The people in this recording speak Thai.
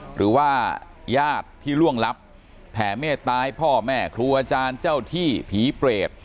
หรือว่าญาติที่ล่วงลับแผ่เมตตาให้พ่อแม่ครูอาจารย์เจ้าที่ผีเปรต